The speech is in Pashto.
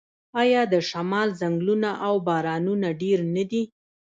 آیا د شمال ځنګلونه او بارانونه ډیر نه دي؟